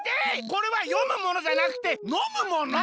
これはよむものじゃなくてのむもの！